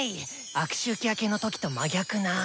悪周期明けの時と真逆な。